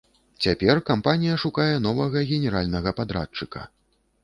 Цяпер кампанія шукае новага генеральнага падрадчыка.